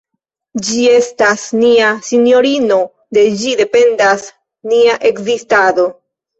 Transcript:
Ĝi estas nia sinjorino, de ĝi dependas nia ekzistado.